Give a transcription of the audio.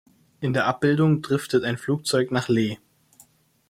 In der Abbildung driftet ein Flugzeug nach Lee.